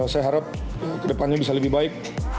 saya harap ke depannya bisa lebih baik